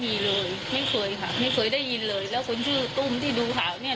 มีเลยไม่เคยค่ะไม่เคยได้ยินเลยแล้วคนชื่อตุ้มที่ดูข่าวเนี้ย